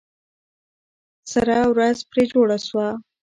سره ورځ پرې جوړه سوه.